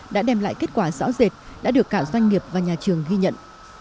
đã đem lại kết quả rõ rệt đã được cả doanh nghiệp và nhà trường ghi nhận